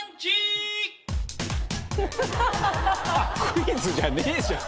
クイズじゃねえじゃん！